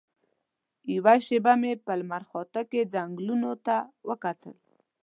یوه شېبه مې په لمرخاته کې ځنګلونو ته وکتل.